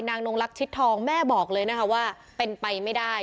นงลักษิตทองแม่บอกเลยนะคะว่าเป็นไปไม่ได้